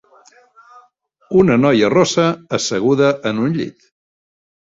Una noia rossa asseguda en un llit